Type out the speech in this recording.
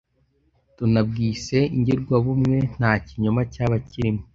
tunabwise ingirwabumwe nta kinyoma cyaba kirimo: